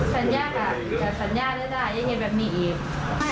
สัญญาก็สัญญาก็ได้ยินดิทัลแบบมีก็อีก